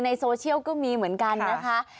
ในโซเชียลก็มีเหมือนกันนะคะ